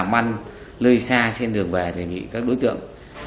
các đối tượng